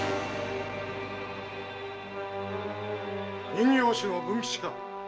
⁉人形師の文吉か。